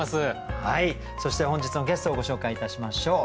そして本日のゲストをご紹介いたしましょう。